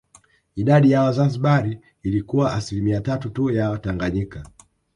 Idadi ya Wazanzibari ilikuwa asilimia tatu tu ya Watanganyika